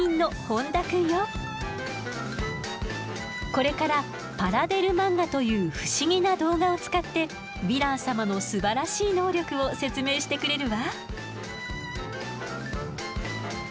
これからパラデル漫画という不思議な動画を使ってヴィラン様のすばらしい能力を説明してくれるわ。